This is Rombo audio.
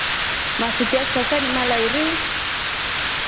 Masuti ya kisasa ni malairii.